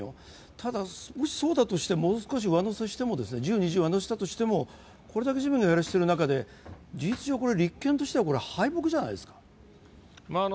ただもしそうだとして、もう少し１０、２０、上乗せしたとしてもこれだけ自民が減らしている中で、事実上、立憲としては敗北じゃないですか？